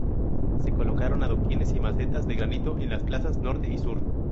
Se colocaron adoquines y macetas de granito en las plazas norte y sur.